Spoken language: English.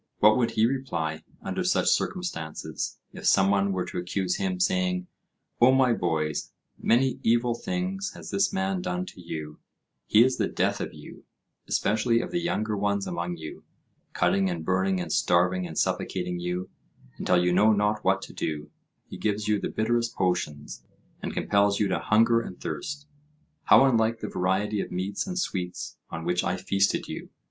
What would he reply under such circumstances, if some one were to accuse him, saying, "O my boys, many evil things has this man done to you: he is the death of you, especially of the younger ones among you, cutting and burning and starving and suffocating you, until you know not what to do; he gives you the bitterest potions, and compels you to hunger and thirst. How unlike the variety of meats and sweets on which I feasted you!"